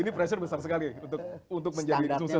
ini pressure besar sekali untuk menjadi susun